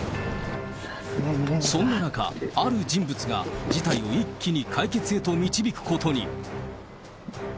そんな中、ある人物が事態を一気に解決へと導くことに。